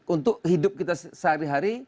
untuk hidup kita sehari hari